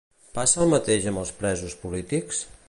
Passa el mateix amb els presos polítics?